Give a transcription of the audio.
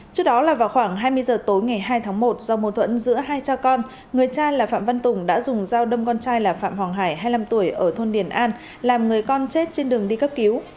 trước đó là vào khoảng hai mươi giờ tối ngày hai tháng một do mô thuẫn giữa hai cha con người cha là phạm văn tùng đã dùng dao đâm con trai là phạm hoàng hải hai mươi năm tuổi ở thôn điền an làm người con chết trên đường đi cấp cứu